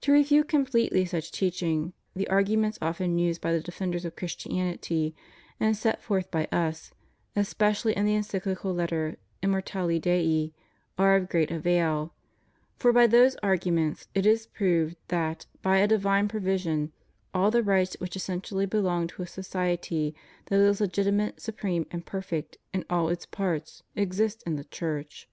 To refute completely such teaching, the arguments often used by the defenders of Christianity, and set forth by Us, especially in the Encyclical Letter Immortale Dei, are of great avail; for by those arguments it is proved that, by a divine provision, all the rights which essentially belong to a society that is legitimate, supreme, and perfect in all its parts exist in the Church.